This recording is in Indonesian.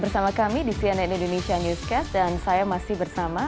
terima kasih anda masih bersama kami di cnn indonesia newscast dan saya masih bersama